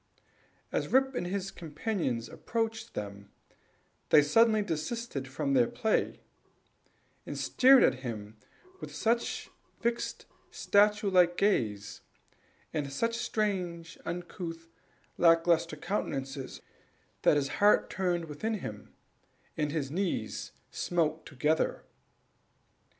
As Rip and his companion approached them, they suddenly desisted from their play, and stared at him with such, fixed, statue like gaze, and such strange, uncouth, lack lustre countenances, that his heart turned within him, and his knees smote together.